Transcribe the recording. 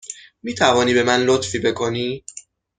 می توانی به من لطفی بکنی؟